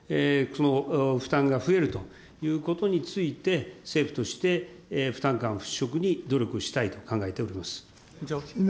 負担が増えるということについて、政府として負担感払拭に努力したいと考えております。